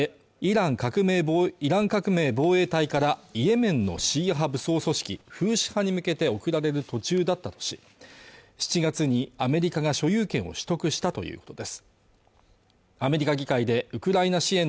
この弾薬は国連安保理決議に違反してイラン革命防衛隊からイエメンのシーア派武装組織フーシ派に向けて送られる途中だったとし７月にアメリカが所有権を取得したということです